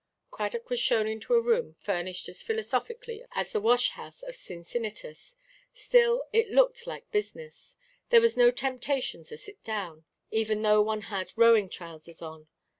Cradock was shown into a room furnished as philosophically as the wash–house of Cincinnatus; still, it looked like business. There was no temptation to sit down, even though one had rowing–trousers on.